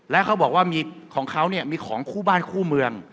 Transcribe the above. แล้วเขาบอกว่าของเขาเนี่ยมีของคู่บ้านคู่เมือง